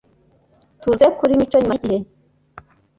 tuze kuri mico nyuma yigihe.